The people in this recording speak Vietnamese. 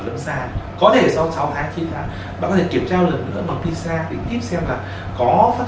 lâm sàng có thể sau sáu tháng chín tháng bạn có thể kiểm tra lần nữa bằng pisa để tiếp xem là có phát